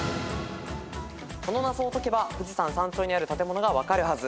この謎を解けば富士山山頂にある建物が分かるはず。